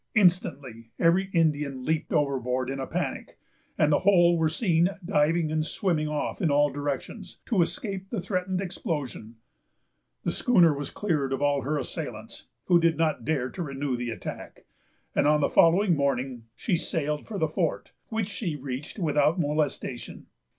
Instantly every Indian leaped overboard in a panic, and the whole were seen diving and swimming off in all directions, to escape the threatened explosion. The schooner was cleared of her assailants, who did not dare to renew the attack; and on the following morning she sailed for the fort, which she reached without molestation.